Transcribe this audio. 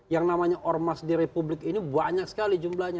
yang namanya ormas di republik ini banyak sekali jumlahnya